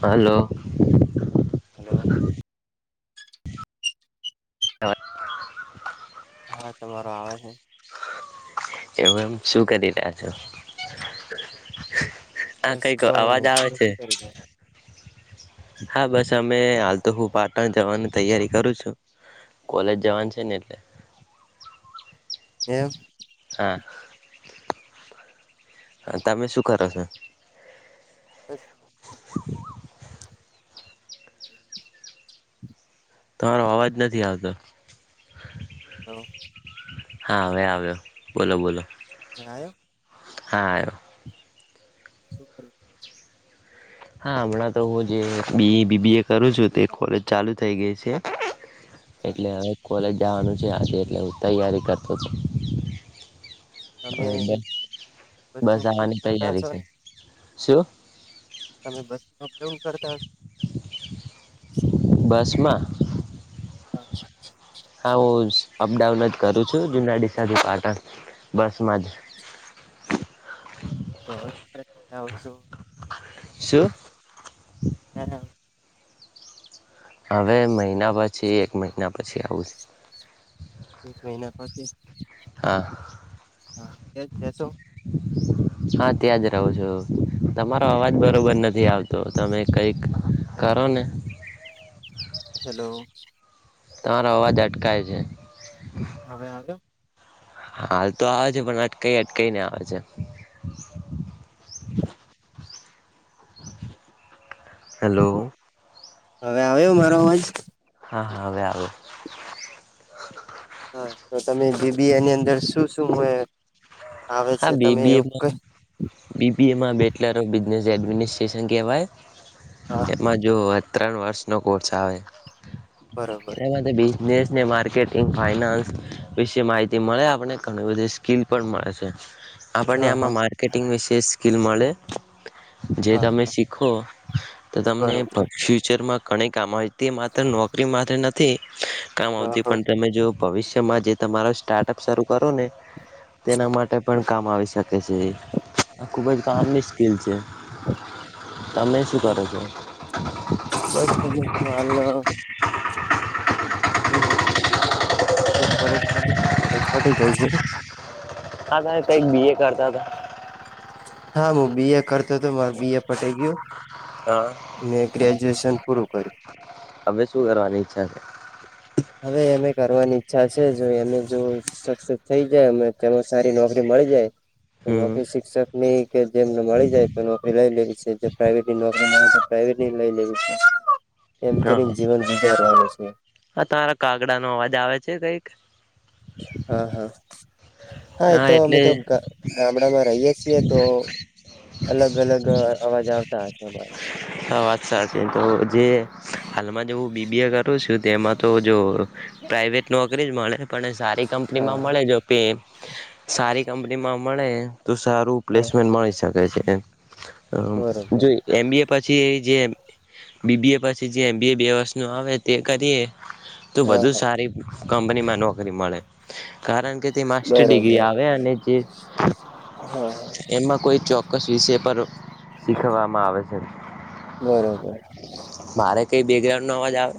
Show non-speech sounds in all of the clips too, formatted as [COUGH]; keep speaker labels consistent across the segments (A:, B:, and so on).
A: હાલો
B: hello
A: હ
B: હાવા તમારો આવે હે
A: એમ એમ શું કરી રહ્યા છો? આ
B: બસ
A: કઈક
B: કોઈ
A: અવાજ
B: નહી
A: આવે
B: તમે
A: છે.
B: શું કરી
A: હા બસ અમે હાલ તો હું પાટણ જવાની તૈયારી કરું છું કોલેજ જવાનું છે ને એટલે.
B: કેમ
A: હા. અ તમે શું કરો છો?
B: અચ
A: [INAUDIBLE] તમારો અવાજ નથી આવતો. હા, હવે આવ્યો. બોલો, બોલો.
B: આવ્યો
A: હા આયો.
B: શું કરી [INAUDIBLE]
A: હા, હમણાં તો હું જે બી બી બી એ કરું છું, તે કોલેજ ચાલુ થઈ ગઈ છે. એટલે હવે કોલેજ જાવાનું છે આજે, એટલે હું તૈયારી કરતો છું.
B: તમે
A: હવે,
B: બસ
A: બટ
B: નો
A: બસ
B: ઉપયોગ
A: આવાની
B: કરતા
A: તૈયારી
B: હશો
A: છે.
B: ને
A: શું?
B: તમે બસમા અપડાઉન કરતા
A: બસમાં
B: અચ્છ
A: હાઉસ અપડાઉન જ કરું છું જૂનાડી [UNINTELLIGIBLE] બસમાં જ
B: સવારે [UNINTELLIGIBLE] આવશો
A: શું
B: ક્યારે આવ
A: હવે, મહિના પછી એક મહિના પછી આવું જ.
B: એક મહિના પછી હા, એજ રેસો.
A: હા, ત્યાં જ રહું છું. તમારો અવાજ બરોબર નથી આવતો તમે કંઈક કરો ને.
B: હેલો.
A: તમારો અવાજ અટકાય છે.
B: હવે, આવ્યો?
A: હાલ તો આવે છે, પણ અટકઈ-અટકઈ ને આવે છે. હેલો.
B: હવે, આવ્યો મારો અવાજ?
A: હા, હા, આવે-આવે.
B: હા, તો તમે જી બી એની અંદર શું-શું હોય? આવે છે, તમે એવું ક
A: બી બી એમાં બેચલર ઓફ બિઝનેસ એડમિનિસ્ટ્રેશન કેવાય
B: હા
A: એમાં જો ત્રણ વર્ષનો કોર્સ આવે.
B: બરોબર
A: એમાં ત બી નેેશને માર્કેટિંગ ફાઇનાન્સ વિશે માહિતી મળે આપણને ઘણી બધી સ્કીિલ પણ મળે છે. આપણને
B: હા
A: આમાં
B: હા
A: માર્કેટિંગ વિશેષ. ઉકલ મળળે. જે
B: હા
A: તમે શીખો. તો તમને
B: બરોબર
A: ફ્યુચરમાં. ઘણી કામ હોય. તે માત્ર નોકરી માટે નથી. તે. કામ
B: હા
A: આવતી
B: હા
A: પણ તમે જો. ભવિષ્યમાં જે તમારો સ્ટાર્ટઅપ શરૂ કરો ને. તેના માટે. કામ આવી શકે છે આ ખૂબ જ કામની સ્કિલ છે. તમે શું કરો છો
B: [UNINTELLIGIBLE] હ. સર કોલેજ કોલેજ છ ગઈ છે.
A: હા તમે કઈ બી એ કરતા હતા.
B: હા હું બી એ કરતો તો. બી એ પટે ગયું
A: હા
B: મેં ગ્રેજ્યુએશન પૂરું કર્યું.
A: હવે શું કરવાની ઈચ્છા છે
B: અે એમ. કરવાની ઈચ્છા છે જો એને જો સક્સેસ થઈ જાય તેમાં સારી નોકરી મળી જાય.
A: હમ
B: નોકરી શિક્ષક નની કે જેમને મળી જાય તો નોકરી લઈ લેવી છે જે પ્રાઇવેટની નોકરી. રે તો પ્રઇવેટ લઈ લેવું છે. એમ કરીને જીવન જીતાઈ રહલ છે. હ.
A: આ તમારા કાગડા નો અવાજ આવે છે કઈક.
B: હા હા. હા એ તો અમે તો ગામડામાં રહીય છીએ તો અલગ અલગ અવાજ આવ ચ છે બાઈ.
A: હા વાત સાચી તો જે હાલમાં જે બી બી આ કરો તેમાં તો જો પ્રાઇવેટ નોકરી જ મળે. પણ સારી
B: હા
A: કંપનીમાં મળે જો પે, સારી કંપનીમા મળે. તો સારું
B: હા
A: પ્લેસમેન્ટ મળી શકે છે,
B: બરોબર
A: જોઈ એમ બી એ પછી જે બી બીએ પછી જે એમ બી એ બે વર્ષનું આવે તે કરીએ તું
B: હા
A: બધુ
B: હા
A: સારી કંપની મા નોકરી મળે. કારણ કે તે માસ્ટર ડિગ્રી
B: બરોબર
A: આવે અને જે
B: હા હા
A: એમાં કોઈ ચો ચોક્કસ વિષય પર શીખવામાં આવે. હ. મારે
B: બરોબર.
A: કઈ બેકગ્રાઉન્ડ ન અવાજ આવે?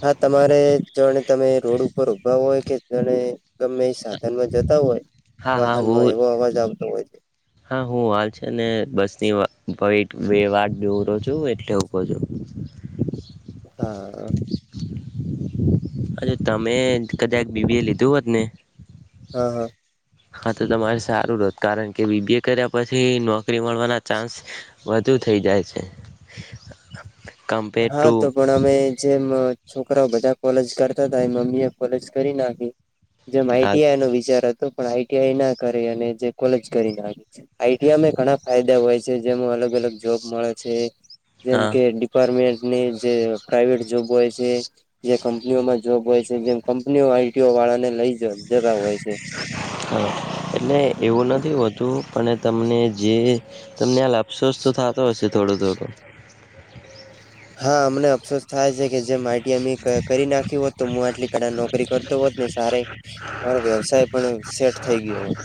B: હા તમારે જોણ તમે રોડ ઉપર ઊભા હોય કે જણે ગમે એ સાધનમાં જતા હોય,
A: હા હા
B: વાહનમાં
A: હું
B: એવો અવાજ આવે હોય છે.
A: હા હું હાલ છે ને બસની ભ વે વાત દોરો છો એટલે ઉવકો છો.
B: હા હા
A: અ તમે કદાચ બીબી એ લીધું હોત ને.
B: હા હા.
A: હા તો તમારે સારું રહત કારણ કે કે બી બીએ કર્યા પછી નોકરી મળવાના ચાન્સ, વધુ થઈ જાય છે. કમ્પેર
B: હા
A: ટુ
B: તો પણ અમે જેમ છોકરાઓ બધા કોલેજ કરતા હતાય મમ્મી એ કોલેજ કરી નાખી. જે
A: હા
B: માહિતી એનો વિચાર હતો પણ આઈ ટી આઈ ના કરે અને જે કોલેજ કરી ના આવી છે. આઈટીઆમાં, ઘણા ફાયદા હોય જે જેનો અલગ, અલગ, જોબ મળે છે જેમ
A: હા
B: કે [UNINTELLIGIBLE] જે પ્રાઇવેટ જોબ હોય છે, જે કંપનીઓમાં જોબ હોય છે, જેમ કંપનીઓ આઈટીઓ વાળાને લઈ જ
A: હ એટલે એવું નથી, બતું પણ તમને જે તમને, આ લ આપશો શું થતો, હશે થોડો, થોડું.
B: હા, અમને અફસોસ થાય છે, કે જે માઇટી અમમે કરી નાખી હોત, તો હું આટલી કાળ નોકરી કરતો હોત ને સારે મારો વ્યવસાય પણ સેટ થઈ ગયો હોત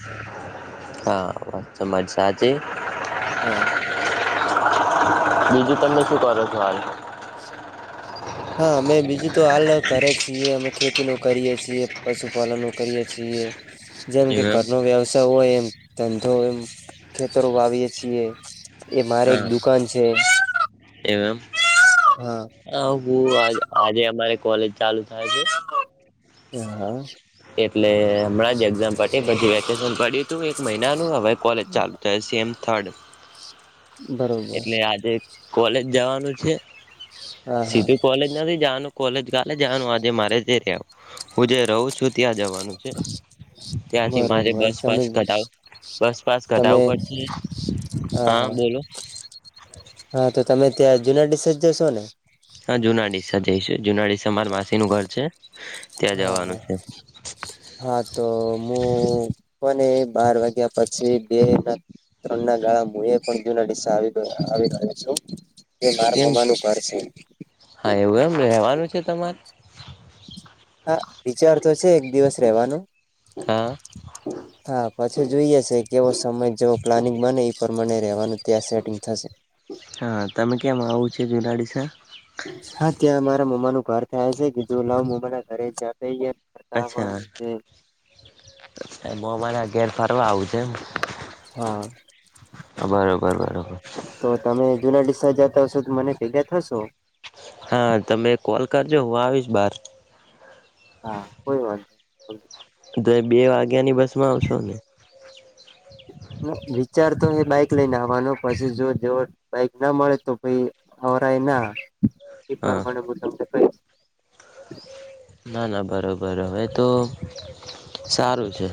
A: હા, તમજ. સાજે
B: હા.
A: બીજું, તમે શું કરો છો? હાલે
B: હા, મેં બીજું તો હાલ, કરે છીએ અમે ખે કરીયે છીએ, પશુપાલનો કરીયે છીએ. જેમ કે
A: એવમ
B: ઘરનો વ્યવસાય હોય, એમ ધંધો એમ, ખેતરો વાવીએે છીએ. એ મારે એક
A: હા
B: દુકાન છે. હા
A: હ હું, આ આજે અમારે કોલેજ ચાલુ થાય છે.
B: હ, હા.
A: એટલે હમણાં જ, એક્ઝામ પ પછી વેકેશન પડ્યું તું એક મહિનાનું હવે કોલેજ ચાલુ, થાય સેમ થર્ડ
B: બરોબર
A: એટલે આજે કોલેજ જવાનું છે.
B: હા હા
A: સીધું કોલેજ નથી, જવાનું કોલેજ કાલે જવાનું આજે મારે છે. હું, જે રહું છ. શું ત્યાં, જવાનું છે. ત્યાંથી. મારે
B: બરોબર તમે
A: બસપસ ઘટાવ, બસપસ
B: તમે
A: ઘટાવું પડશે.
B: હા હા હા તો તમે ત્યાં જુના, ડડી સજ્જશો ને
A: હા જુનાડી--. જઈશું જુના ડસેર માસી નું ઘર છે. ત્યાં
B: હા
A: જવાનું છે
B: હા તો હું કોને બાર વાગ્યા પછી બે ના ત્રણ ના ગાળા હું એ પણ જૂના દિશ ગ આવી ગયો છું. એ મારા
A: કેમ
B: મમ્માનુંું ઘર છે.
A: હા એવું એમ રેવાનું છે તમારે
B: હા વિચાર તો છે એક દિવસ રહેવાનું
A: હા
B: હા [UNINTELLIGIBLE] પછી જોઈએ છે કેવો સમય જેવો પ્લાનિંગ બને એ પણ મને રહેવાનું ત્યાં સેટિંગ થશે.
A: હા તમે કે્યામ આવો છો જુનાડીસાા.
B: હા ત્યાં મારા મમ્માનું ઘર થાય છે કે જો લ મમ્મા ના ઘરે જ--.
A: અચ્છાછ મોને ઘેર ફરવા આવુંજ તેમમ.
B: હા
A: બરોબર બરોબર.
B: તો તમે જુના ડડીસા જતા હશો તો મને ભેગા થશો.
A: હા તમે કોલ કરજો હું આવીશ બાર.
B: હા કોઈ વાત ન. હ.
A: બે વાગ. ત્યાંની બસમાં આવશો ને. [INAUDIBLE] [UNINTELLIGIBLE]
B: વિચાર તો એ બાઈક લઈને આવવાનો પછી જો જો બાઈક ના મળે તો પ આવરાય ના. એ
A: હા
B: પરમાણે બ. [INAUDIBLE] [UNINTELLIGIBLE]
A: ના ના બરાબર હવે તો સારું છે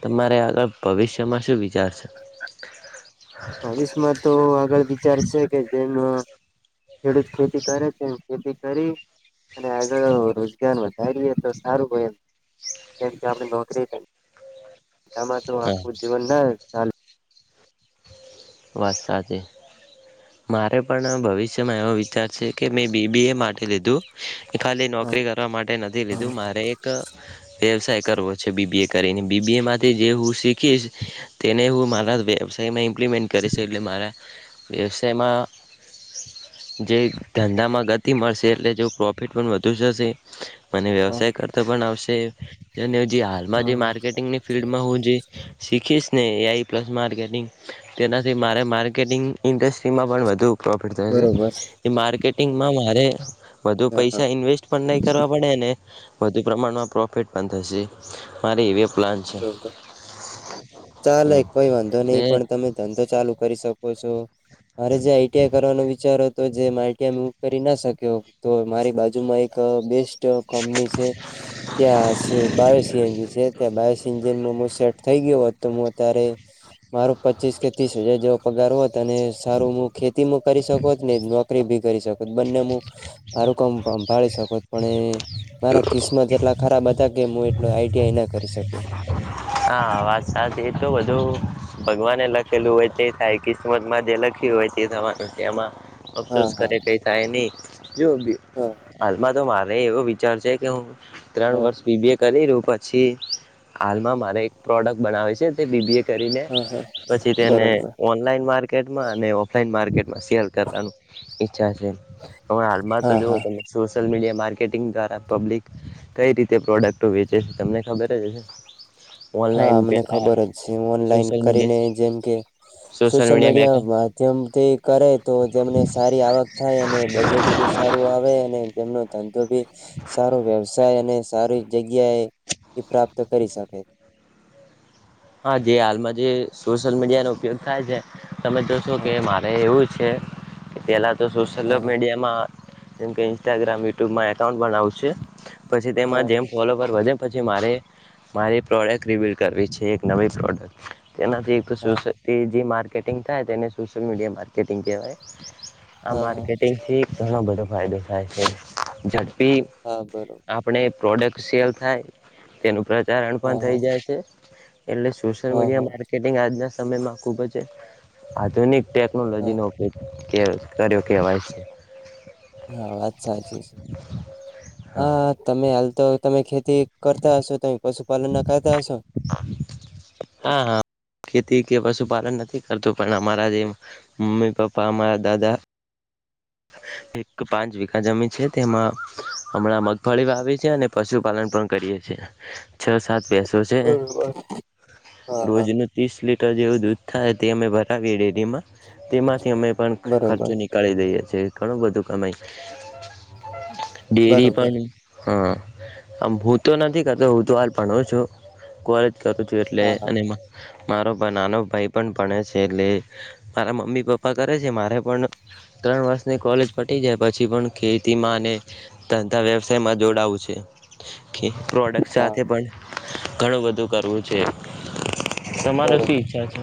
A: તમારે આગળ ભવિષ્યમાં શું વિચારશે.
B: ભાવષમાં તો આગળ વિચાર છે કે જેમ. ખેડૂત ખેતી કરે છે ખેતી કરી અને આગળ રોજગાર વધારીએ તો સારું હોય એમ જેમ કે આપણે નોકરી છે. ટમાં તો
A: હા
B: આખું જીવન ના ચાલ.
A: વાત સાચ મારે પણ ભવિષ્યમાં એવો વિચાર છે કે મેં બીબી એ માટે લીધું. ખાલી નોકરી કરવા માટે નથી લીધું મારે એક. વ્યવસાય કરવો છે બીબી એ કરીને બીબી એમાંથી જે હું શીખીશ તેને હું મારા વ્યવસાયમાં ઇમ્પ્લિમેન્ટ. કરી છે એટલે મારા વ્યવસાયમાં જે ધંધામાં ગતિ મળશે એટલે જે પ્રોફિટ પણ વધુ થશે. મને વ્યવસાય કરતો પણ આવશે. તે. અને જે હાલમાં જે માર્કેટિંગની ફિલ્ડમાં હું જે શીખીશ. ને આઈ પ્લસ માર્કેટિંગ. તેનાથી મારે માર્કેટિંગ ઇન્ડસ્ટ્રીમાં પણ વધુ પ્રોફિટ થાય છે
B: બરોબર
A: એ માર્કેટ ચેટીગ મારે બધુ
B: હા હા
A: પૈસા ઇન્વેસ્ટ પણ નહીં કરવા પડે ને વધુ પ્રમાણમાં પ્રોફિટ પણ થશે મારેએવીએફ
B: બબર ચાલે કોઈ વાંધો નહી
A: એટલે
B: પણ તમે ધઘો તો ચાલુ કરી શ ત કો છો મારે જે આઈટીઆઈ કરવાનો વિચાર હતો તો જે મા કરી ના શક્યો તો મારી બાજુમાં એક બેસ્ટ કંપની છે ત્યાં બાયો સએનજી છે ત્યા બાયો પમો સેટ થઈ ગયો હતોું અત્યારે મારું પચીસ કે ત્રીસ હજાર જેવો પગાર હતો તને સારું હું ખેતી મુ કરી શકું છ ને નોકરી બી કરી શકો બંને હું આારું કામભાળી શક પણ એ મારા કિસ્મત એટલા ખરાબ હતા કે હું એટલું આઈડિયાઈ ના કરી શક્યો
A: હા વાત સાચ એ તો બધું ભગવાને લખેલું હોય તે થાય કિસ્મત માં જે લખ્યું હોય તે થવાનું છે એમાં
B: હા
A: અફસોસ
B: હા
A: કરે પ થાય નની જો
B: હા
A: ઉદીહાલમાં તો વાત અરે એવો વિચાર છે કે હું ત્રણ
B: હા
A: વર્ષ બીબીએ કરીું રવ પછી હાલમાં મા એક પ્રોડક્ટ બનાવે છે તે બીબીએ
B: હા હા
A: પછી તેને
B: બરોબર
A: ઓનલાઈન માર્કેટમાં અને ઓફલાઈન માર્કેટ સેલ કરવા ઈચ્છા છે હ હાલમાં તો
B: હા હા
A: તમે સોશિલ મીડિયા માર્કેટિંગ દ્વારા પબ્લિક કઈ રીતે પ્રોડક્ટો વેચે છે તમને ખબર જ હસે
B: હા અમને ખબર જ છે ઓનલાઈન
A: સોશિયલ
B: કરીને
A: મીડિયા
B: જેમ કે સોશિયલ મીડિયા માધ્યમથી કરે તો તેમને સારી આવક થાય અને બજેટ બી સારું આવે અને તેમનો ધ તો ભી સારો વ્યવસાય અને સારી જગ્યા એ એ પ્રાપ્ત કરી શકે
A: હા જે હાલમાં જે સોશિયલ મીડિયાનોો ઉપયોગ થાય છે. તમે જોશો કે
B: હા
A: મારે એવું છે [INAUDIBLE] તો સોશિયલ
B: હા હા
A: મીડિયામાં જેમ કે ઇસ્ટાગ્રામ યુટ્યુબમાં એકાઉન્ટ પણ આવશે, પછી તેમાં
B: હા
A: જેમ ફોલોપર વધે પછી મારે, મારી પ્રોડક્ટ રિવ્યલ કરવી છે. નવી શરૂઆત તેનાથી એક તો
B: હા
A: સ જે માર્કેટિંગ થાય તે એને સોશિયલ મીડિયા માર્કેટિંગ કહેવાય. આ
B: હા હા
A: માર્કેટિંગ થી ઘણો બધો ફાયદો છે. હ છે જડ ભી
B: હા બરોબર
A: આપણે પ્રોડક્ટ સેલ થાય તેનું પ્ર ત રણ
B: હા
A: પણ
B: હા
A: થઈ જાય છે. એટલે સોશિયલ
B: હા
A: મીડિયા
B: હા
A: માર્કેટિંગ આજના સમયમાં ખૂબ જ આધુનિક
B: હા
A: ટેકનોલોજી નો ઉપયોગ કે કર્યો કે ભાઈ છે.
B: હા વાત સાાચી છે, હા તમે હાલ તો તમે ખેતી તે કરતા હસો ત પશુપાલન ના ક થાય હો.
A: હા હા ખેતી કે પશુપાલન નથી કરતું પણ અમારા જે, મમ્મી પપ્પા અમારા દાદા એક પાંચ વીખા જમીન છે તેમાં, હમણાં મગફળી વાવી છેએ અને પશુપાલન પણ કરીએ છીએ, છ સાત બેસો છે,
B: બરોબર હા
A: રોજ
B: હા
A: ન ત્રીસ લીટ જેવું દૂધ થાય તે અમે ભરાવીએ ડેરીમાં, તેમાંથી અમે પણ ખર્ચો
B: બરોબર
A: નીકાળી દઈએ. જે ઘણું બધું કમાય. ડેરી
B: બરોબર.
A: પણ હા, આમ હું તો નથી કરતો હું તો હાલ ભું છું, કોલેજ કરું છું એટલે
B: હા હા
A: અને એમાં મારો નાનો ભાઈ પણ ભણે છે એટલે, મારા મમ્મી પપ્પા કરે છે મારે પણ ત્રણ વર્ષ કોલેજ પટી જાય પછી પણ ખેતીમાં અને, ધંધા વ્યવસાયમાં જોડાવું છે. ઓ પ્રોડક્ટ
B: હા
A: સાથે સાથે પણ. ઘણું બધું કરવું છે. તમારે
B: બરોબર
A: શું ઈચ્છા છે?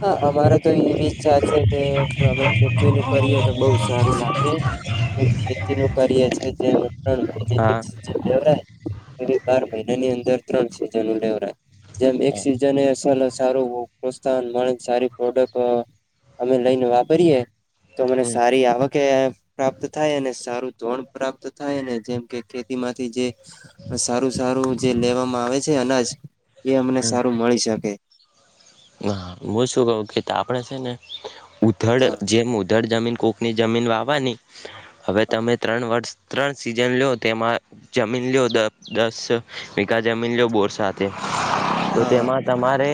B: હા અમારે તો એવી ઈચ્છા છે કે અમે ખેત કરીએ તો બહ સારું લાગે, ખેતી નું કરીય છે જે ત્રણ મહિને
A: હા
B: એક સન લેવડ એવી બાર મહિને ની અંદર ત્રણ છે જનું લેવરા. જેમ એક
A: હા
B: સિઝન એસ સારૂ [UNINTELLIGIBLE] મળે સારી પ્રોડક્ટ, અમે લઈને વાપરીએે. તો મને
A: હમ
B: સારી આવ કે પ્રાપ્ત થાય અને સારું ધણ પ્રાપ્ત થાય અને જેમ કે ખેતી માંથી જે સારું સારું જે લેવામાં આવે છે. છે અનાજ. એ અમને સારું મળી શકે.
A: હા હું શું કહું કે આપડે છે ને ઉધળ
B: હા
A: જે મુદ્ દર જમીન કોકની જમીન વાવાની, હવે
B: હા
A: તમે ત્રણ વર્ષ ત્રણ સીઝન લો તેમાં જમીન લો લો દસ મીગા જમીન લો બોર સાથે તો
B: હા
A: જેમાં તમારે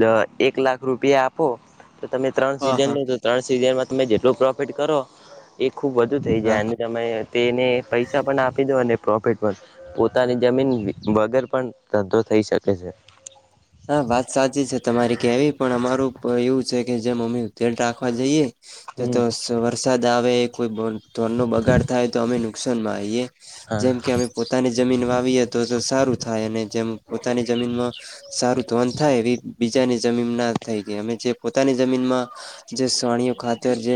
A: દ એક લાખ રૂપિયા આપો. તો તમે ત્રણ
B: હા હા
A: સીઝન
B: હા
A: લો તો ત્રણ સીઝનમાં તમે જેટલો પ્રો પેટ કરો, એ ખૂબ વધુ થઈ જાય
B: હા.
A: અને તમે તેને પૈસા પણ આપી દો અને પ્રોફિટ પણ, પોતાની જમીન વગર પણ ધંધો થઈ શકે છે.
B: હા વાત સાચી છે તમારી કેવી પડે અમારું એવું છે કે જે મમ્મી તેડ રાખવા જઈએ. તો તો
A: હમ
B: સર સાદ આવે એ કોઈ બોલ તોરનુ બગાડ થાય તો અમે ન શનમાં આઇ.
A: હા
B: જેમ કે અમે પોતાની જમીન વાવીએ તો તો સારું થાય અને જેમ પોતાની જમીનમાં સારું ધોન થાય એવી બીજાની જમીન ના થઈ ગાય અમે જે પોતાની જમીનમાં, જે સાણીઓ ખાતર જે